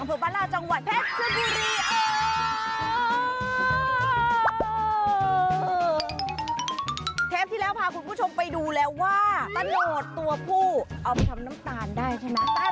เพราะฉะนั้นแล้วจะรออยู่ใหญ่